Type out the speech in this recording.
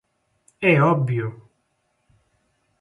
É obvio.